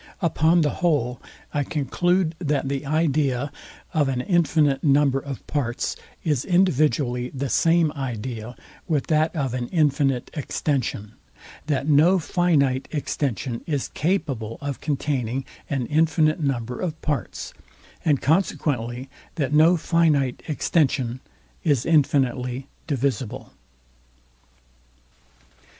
Upon the whole, I conclude, that the idea of all infinite number of parts is individually the same idea with that of an infinite extension; that no finite extension is capable of containing an infinite number of parts; and consequently that no finite extension is infinitely divisible.